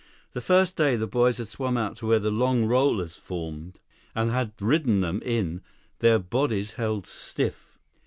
The first day, the boys had swum out to where the long rollers formed, and had ridden them in, their bodies held stiff.